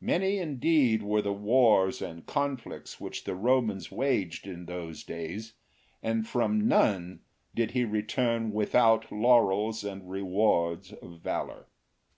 Many indeed were the wars and conflicts which the Romans waged in those days, and from none did he return without laurels and rewards of valour.